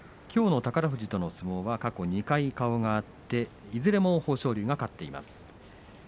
きょうの宝富士との相撲は過去２回顔が合っていずれも豊昇龍が勝っています。